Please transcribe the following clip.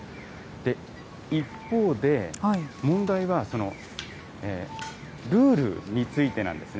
一方で、問題は、ルールについてなんですね。